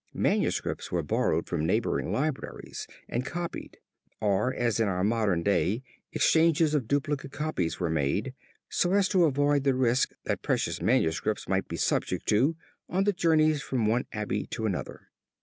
Manuscripts were borrowed from neighboring libraries and copied, or as in our modern day exchanges of duplicate copies were made, so as to avoid the risk that precious manuscripts might be subject to on the journeys from one abbey to another.